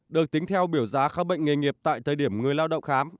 được tính theo biểu giá khám bệnh nghề nghiệp tại thời điểm người lao động khám